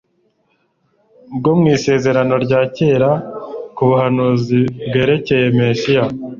bwo mu Isezerano rya kera ku buhanuzi bwerekcye Mesiya: